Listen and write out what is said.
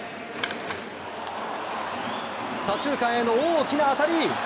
左中間への大きな当たり。